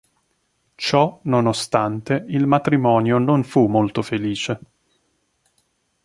Ciò nonostante il matrimonio non fu molto felice.